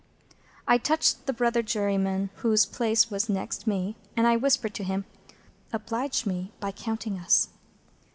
I touched the brother jurymen whose place was next me, and I whispered to him, "Oblige me by counting us."